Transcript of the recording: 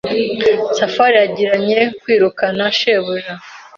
Safari yagiranye kwiruka na shebuja.